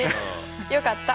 よかった。